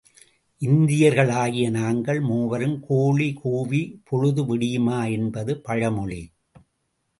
இந்தியர்களாகிய நாங்கள் மூவரும் கோழி கூவி பொழுது விடியுமா? என்பது பழ மொழி.